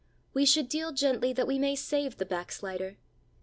We should deal gently that we may save the backslider.